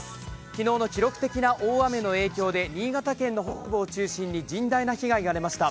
昨日の記録的な大雨の影響で新潟県の北部を中心に甚大な被害が出ました。